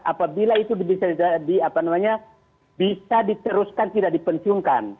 apabila itu bisa diteruskan tidak dipensiunkan